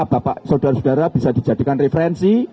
bapak saudara saudara bisa dijadikan referensi